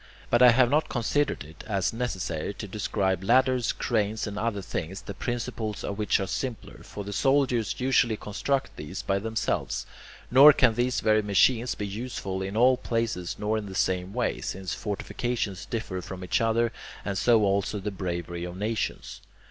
But I have not considered it as necessary to describe ladders, cranes, and other things, the principles of which are simpler, for the soldiers usually construct these by themselves, nor can these very machines be useful in all places nor in the same way, since fortifications differ from each other, and so also the bravery of nations.